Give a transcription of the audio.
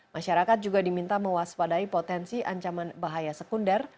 masyarakat juga diminta mewaspadai potensi ancaman bahaya sekunder